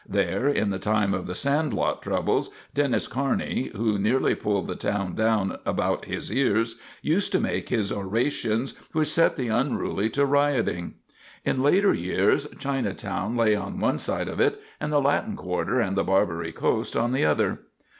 There, in the time of the sand lot troubles, Dennis Kearney, who nearly pulled the town down about his ears, used to make his orations which set the unruly to rioting. In later years Chinatown lay on one side of it and the Latin quarter and the "Barbary Coast" on the other.